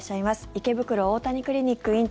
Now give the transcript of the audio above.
池袋大谷クリニック院長